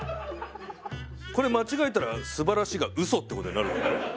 これ間違えたら「素晴らしい」が嘘って事になるからね。